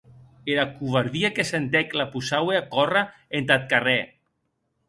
Era covardia que sentec la possaue a córrer entath carrèr.